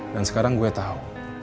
dan sekarang gue tau